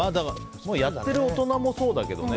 やってる大人もそうだけどね。